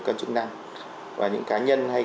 còn chức năng và những cá nhân hay